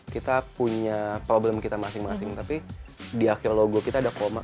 kita punya problem kita masing masing tapi di akhir logo kita ada komar